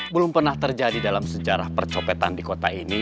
belum pernah terjadi dalam sejarah percopetan di kota ini